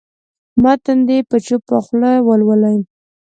متن دې په چوپه خوله ولولي.